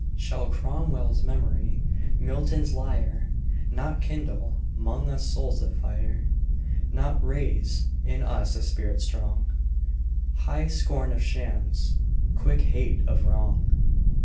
Shall Cromwell's memory, Milton's lyre, Not kindle 'mong us souls of fire, Not raise in us a spirit strong—High scorn of shams, quick hate of wrong?